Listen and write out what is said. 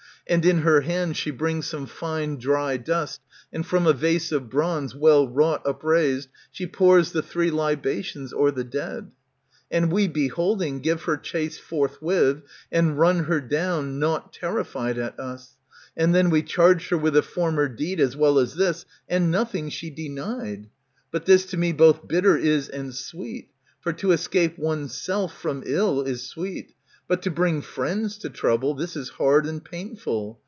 And in her hand she brings some fine, dry dust, And from a vase of bronze, well wrought, upraised, ^^^ She pours the three libations o'er the dead.^ And we, beholding, give her chase forthwith. And run her down, nought terrified at us. And then we charged her with the former deed, As well as this. And nothing she denied. But this to me both bitter is and sweet, For to escape one's self from ill is sweet, But to bring friends to trouble, this is hard And painful.